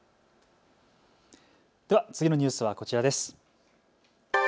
では次のニュースはこちらです。